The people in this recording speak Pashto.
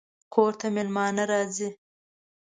کور ته مېلمانه راځي